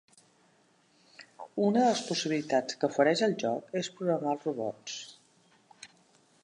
Una de les possibilitats que ofereix el joc és programar els robots.